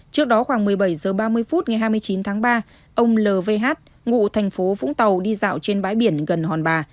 trước đó khoảng một mươi bảy h ba mươi phút ngày hai mươi chín tháng ba ông lv ngụ thành phố vũng tàu đi dạo trên bãi biển gần hòn bà